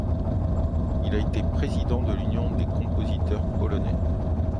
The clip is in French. Il a été président de l'Union des Compositeurs polonais.